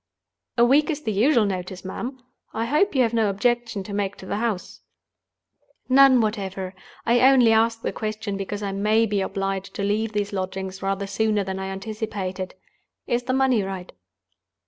"A week is the usual notice, ma'am. I hope you have no objection to make to the house?" "None whatever. I only ask the question, because I may be obliged to leave these lodgings rather sooner than I anticipated. Is the money right?"